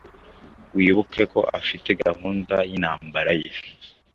Wibuke ko afite gahunda y’intambara ye.